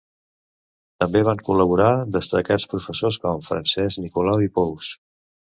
També van col·laborar destacats professors com Francesc Nicolau i Pous.